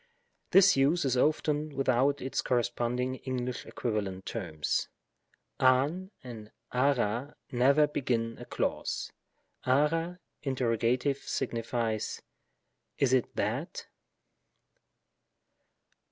This use is often without its cor responding Eng. equivalent terms, av and aga never begin a clause, aga ; interrogative, signifies, " is it that?"